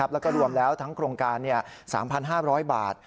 แล้วก็รวมแล้วทั้งโครงการ๓๕๐๐บาท